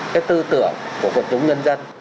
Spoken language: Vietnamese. cái tư tưởng của quần chúng nhân dân